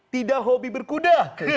tidak hobi berkuda